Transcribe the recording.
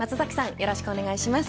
よろしくお願いします。